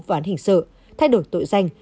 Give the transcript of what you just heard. vụ án hình sự thay đổi tội danh